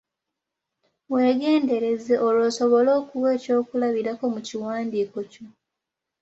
Weegendereze olwo osobole okuwa ekyokulabirako mu kiwandiiko kyo.